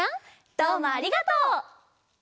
どうもありがとう！